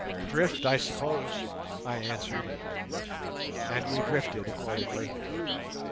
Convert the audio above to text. "Drift, I suppose," I answered, and we drifted accordingly.